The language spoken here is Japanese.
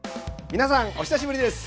皆さんお久しぶりです！